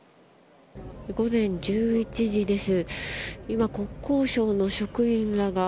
午前１１時です。